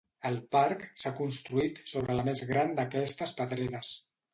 El parc s'ha construït sobre la més gran d'aquestes pedreres.